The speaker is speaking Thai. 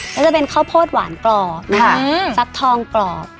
แล้วจะเป็นข้าวโพดหวานกรอบฟักทองกรอบ